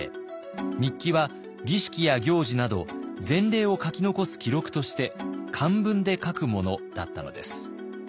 日記は儀式や行事など前例を書き残す記録として漢文で書くものだったのです。